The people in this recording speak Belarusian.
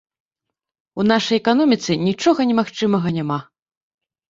У нашай эканоміцы нічога немагчымага няма.